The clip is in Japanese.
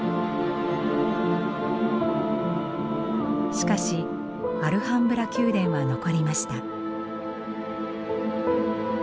しかしアルハンブラ宮殿は残りました。